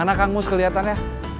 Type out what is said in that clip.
gimana kang mus keliatannya